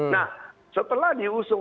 nah setelah diundang